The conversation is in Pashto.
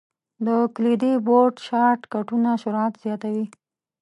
د کلیدي بورډ شارټ کټونه سرعت زیاتوي.